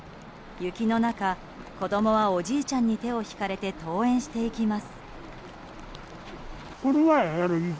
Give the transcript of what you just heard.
雪の中、子供はおじいちゃんに手を引かれて登園していきます。